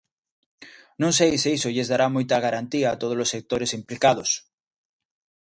Non sei se iso lles dará moita garantía a todos os sectores implicados.